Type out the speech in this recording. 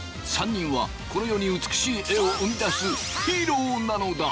３人はこの世に美しい絵を生み出すヒーローなのだ！